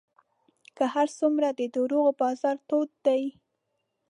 که هر څومره د دروغو بازار تود دی